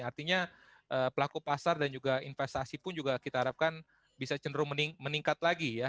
artinya pelaku pasar dan juga investasi pun juga kita harapkan bisa cenderung meningkat lagi ya